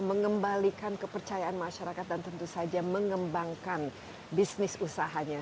mengembalikan kepercayaan masyarakat dan tentu saja mengembangkan bisnis usahanya